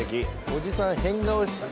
おじさん変顔した。